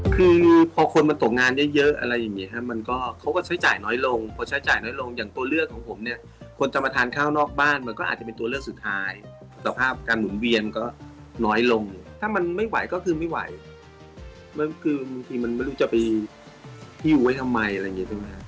คือพอคนมาตกงานเยอะเยอะอะไรอย่างเงี้ฮะมันก็เขาก็ใช้จ่ายน้อยลงพอใช้จ่ายน้อยลงอย่างตัวเลือกของผมเนี่ยคนจะมาทานข้าวนอกบ้านมันก็อาจจะเป็นตัวเลือกสุดท้ายสภาพการหมุนเวียนก็น้อยลงถ้ามันไม่ไหวก็คือไม่ไหวมันคือบางทีมันไม่รู้จะไปที่อยู่ไว้ทำไมอะไรอย่างนี้ใช่ไหมครับ